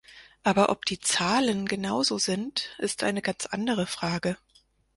Aber ob die Zahlen genau so sind, ist eine ganz andere Frage.